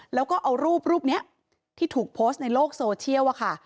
แล้วก็เอารูปรูปนี้ที่ถูกโพสต์ในโลกโซเชียลอะค่ะ